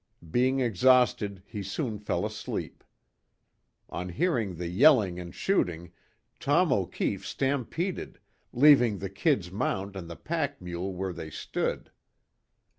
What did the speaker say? Being exhausted he soon fell asleep. On hearing the yelling and shooting, Tom O'Keefe stampeded, leaving the "Kid's" mount and the pack mule where they stood.